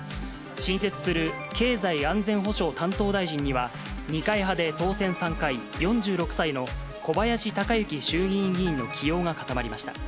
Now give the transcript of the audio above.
新設する経済安全保障担当大臣には、二階派で当選３回、４６歳の小林鷹之衆議院議員の起用が固まりました。